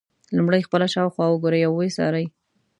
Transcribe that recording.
لومړی خپله شاوخوا وګورئ او ویې څارئ.